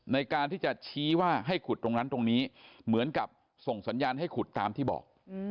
ในการที่จะชี้ว่าให้ขุดตรงนั้นตรงนี้เหมือนกับส่งสัญญาณให้ขุดตามที่บอก